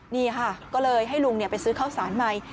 นี่ค่ะก็เลยให้ลุงไปซื้อข้าวสารใหม่